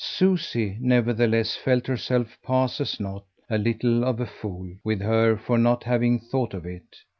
Susie nevertheless felt herself pass as not a little of a fool with her for not having thought of it.